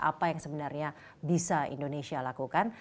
apa yang sebenarnya bisa indonesia lakukan